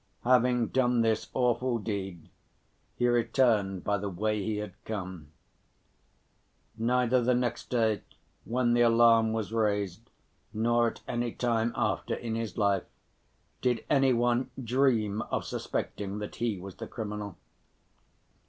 Having done this awful deed, he returned by the way he had come. Neither the next day, when the alarm was raised, nor at any time after in his life, did any one dream of suspecting that he was the criminal.